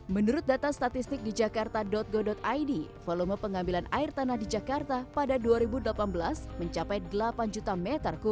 menurut data statistik di jakarta go id volume pengambilan air tanah di jakarta pada dua ribu delapan belas mencapai delapan juta